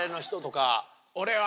俺は。